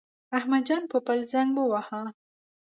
احمد جان پوپل زنګ وواهه.